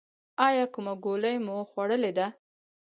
ایا کومه ګولۍ مو خوړلې ده؟